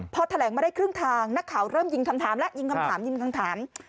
พอแถลงมาได้ครึ่งทางนักข่าวเริ่มยิงคำถามแล้วยิงคำถามยิงคำถาม